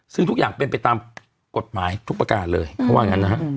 ซึ่งทุกอย่างเป็นไปตามกฎหมายทุกประการเลยเขาว่างั้นนะฮะ